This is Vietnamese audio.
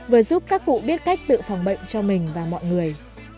vừa giúp các cụ biết cách tự phòng bệnh cho mình và mọi người